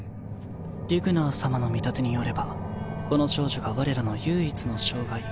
リュグナー様の見立てによればこの少女がわれらの唯一の障害